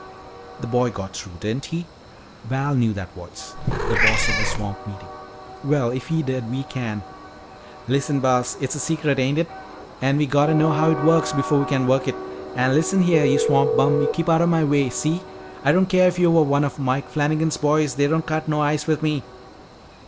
"The boy got through, didn't he?" Val knew that voice, the Boss of the swamp meeting. "Well, if he did, we can." "Lissen, Boss, it's a secret, ain't it? An' we gotta know how it works before we can work it. An' lissen here, you swamp bum, you keep outta my way see? I don't care if you were one of Mike Flanigan's boys; that don't cut no ice with me."